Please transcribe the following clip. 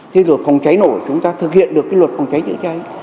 thế rồi phòng trái nổ chúng ta thực hiện được cái luật phòng trái dự trái